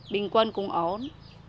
bình quân cũng ổn